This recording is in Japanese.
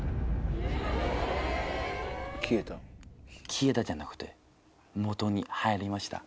消えたじゃなくて元に入りました。